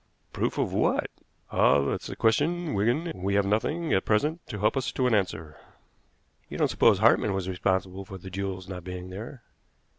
"Proof of what?" "Ah! that's the question, Wigan; and we have nothing at present to help us to an answer." "You don't suppose Hartmann was responsible for the jewels not being there?"